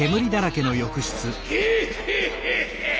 ゲヘヘヘヘ！